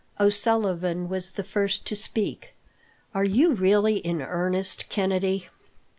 O'Sullivan was the first to speak. "Are you really in earnest, Kennedy?"